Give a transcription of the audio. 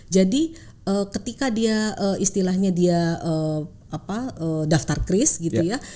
jadi ketika dia istilahnya dia daftar kris gitu ya